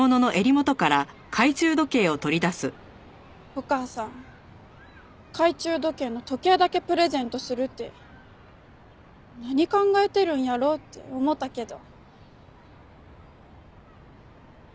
お母さん懐中時計の時計だけプレゼントするって何考えてるんやろって思うたけど。